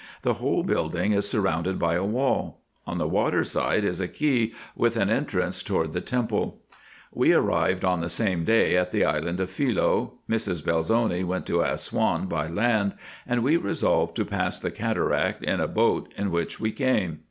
The whole build ing is surrounded by a wall. On the water side is a quay, with an entrance toward the temple. We arrived on the same day at the island of Philoe : Mrs. Eel zoni went to Assouan by land, and we resolved to pass the cataract in the boat in which we came.